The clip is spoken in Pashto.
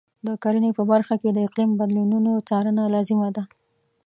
د کرنې په برخه کې د اقلیم بدلونونو څارنه لازمي ده.